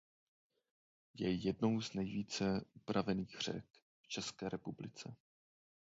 Je jednou z nejvíce upravených řek v České republice.